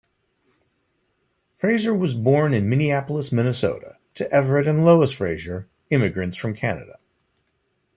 Fraser was born in Minneapolis, Minnesota, to Everett and Lois Fraser, immigrants from Canada.